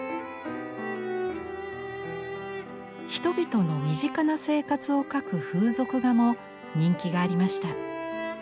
人々の身近な生活を描く風俗画も人気がありました。